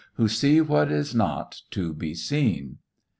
Who see what is not to be seen."